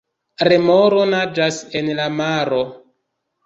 Remoro naĝas en la maro.